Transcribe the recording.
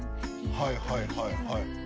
「はいはいはいはい」